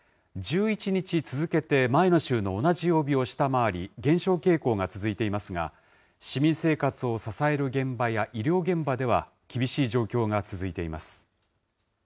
１１日続けて前の週の同じ曜日を下回り、減少傾向が続いていますが、市民生活を支える現場や医療現場では、厳しい状況が続いています。